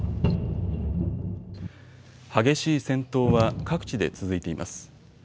激しい戦闘は各地で続いています。